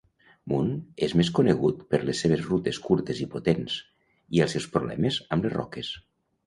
Moon és més conegut per les seves rutes curtes i potents, i els seus problemes amb les roques.